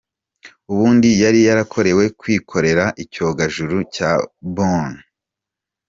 Ubundi yari yarakorewe kwikorera icyogajuru cya Bourne.